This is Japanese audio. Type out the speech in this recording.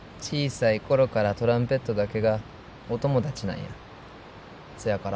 小さい頃からトランペットだけがお友達なんや。